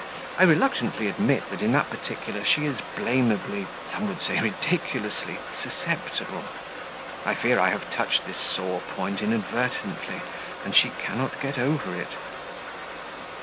I reluctantly admit that in that particular she is blameably some would say ridiculously susceptible. I fear I have touched this sore point inadvertently, and she cannot get over it."